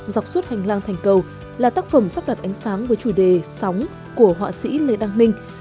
dọc suốt hành lang thành cầu là tác phẩm sắp đặt ánh sáng với chủ đề sóng của họa sĩ lê đăng ninh